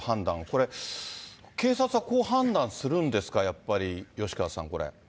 これ、警察はこう判断するんですか、やっぱり吉川さん、これ。